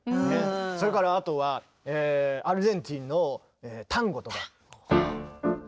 それからあとはアルゼンチンのタンゴとか。